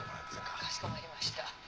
かしこまりました。